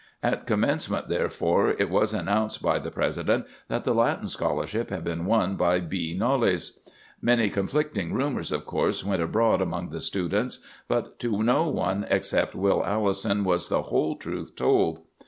At Commencement, therefore, it was announced by the president that the Latin scholarship had been won by B. Knollys. Many conflicting rumors, of course, went abroad among the students; but to no one except Will Allison was the whole truth told.